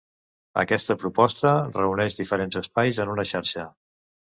Aquesta proposta reuneix diferents espais en una xarxa.